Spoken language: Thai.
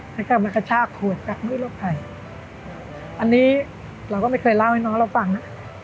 แล้วก็มากระชากขวดกับมือรถใครอันนี้เราก็ไม่เคยเล่าให้น้องเราฟังนะ